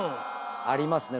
ありますね